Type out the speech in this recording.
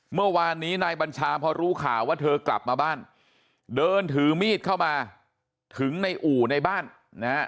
เมื่อวานนี้นายบัญชาพอรู้ข่าวว่าเธอกลับมาบ้านเดินถือมีดเข้ามาถึงในอู่ในบ้านนะฮะ